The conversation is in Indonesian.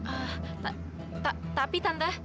ah tak tak tapi tante